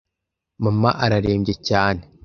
Mama ararembye cyane.